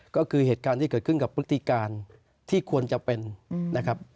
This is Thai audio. ก็คือเหตุการณ์ที่เกิดขึ้นกับพฤติการที่ควรจะเป็นนะครับ